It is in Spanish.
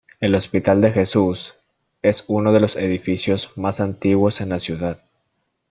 El hospital de Jesús es uno de los edificios más antiguos en la ciudad.